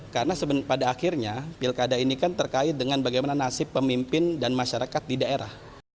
karena pada akhirnya pilkada ini kan terkait dengan bagaimana nasib pemimpin dan masyarakat di daerah